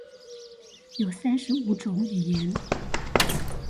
有三十五種語言